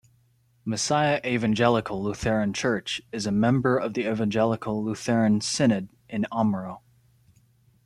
Messiah Evangelical Lutheran Church is a member of the Evangelical Lutheran Synod in Omro.